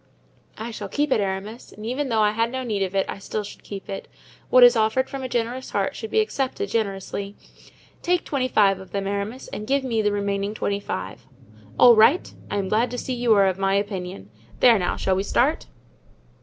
"I shall keep it, Aramis, and even though I had no need of it I still should keep it. What is offered from a generous heart should be accepted generously. Take twenty five of them, Aramis, and give me the remaining twenty five." "All right; I am glad to see you are of my opinion. There now, shall we start?"